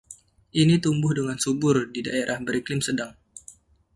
Ini tumbuh dengan subur di daerah beriklim sedang.